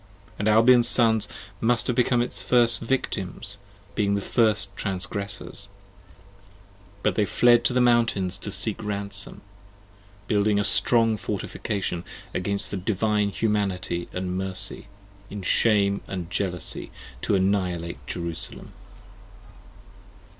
And Albion's Sons Must have become the first Victims, being the first transgressors: 25 But they fled to the mountains to seek ransom : building A Strong Fortification against the Divine Humanity and Mercy, 27 In Shame & Jealousy to annihilate Jerusalem!